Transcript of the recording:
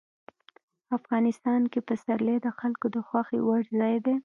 افغانستان کې پسرلی د خلکو د خوښې وړ ځای دی.